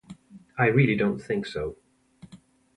I really don't think so.